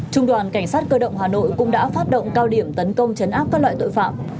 trung đoàn cảnh sát cơ động hà nội cũng đã phát động cao điểm tấn công chấn áp các loại tội phạm